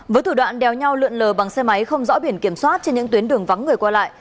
với thủ đoạn đeo nhau lượn lờ bằng xe máy không rõ biển kiểm soát trên những tuyến đường vắng người qua lại